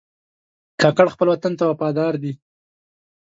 کاکړ خپل وطن ته وفادار دي.